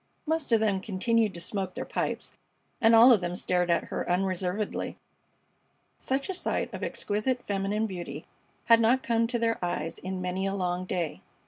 Most of them continued to smoke their pipes, and all of them stared at her unreservedly. Such a sight of exquisite feminine beauty had not come to their eyes in many a long day.